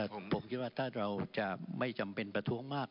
ผมคิดว่าถ้าเราจะไม่จำเป็นประท้วงมาก